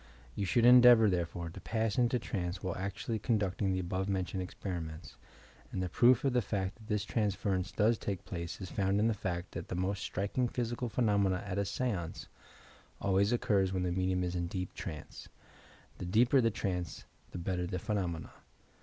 You should endeavour, therefore, to pass into trance while actually conducting the above mentioned experiments, and the proof of the fact that this transference does take place is found in the fact that the most striking physical phenomena at a seance always occur when the medimn it in deep trance. The deeper the trance, the better the phenomena!